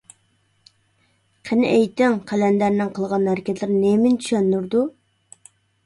قېنى ئېيتىڭ، قەلەندەرنىڭ قىلغان ھەرىكەتلىرى نېمىنى چۈشەندۈرىدۇ؟